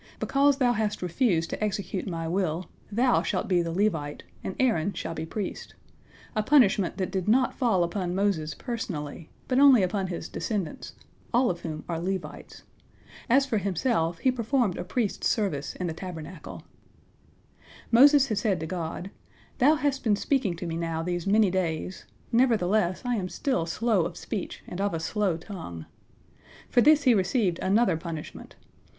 Because thou hast refused to execute My will, thou shalt be the Levite, and Aaron shall be priest,"—a punishment that did not fall upon Moses personally, but only upon his descendants, all of whom are Levites. As for himself, he performed a priest's service in the Tabernacle. Moses had said to God, "Thou hast been speaking to me now these many days, nevertheless I am still slow of speech and of a slow tongue." For this he received another punishment.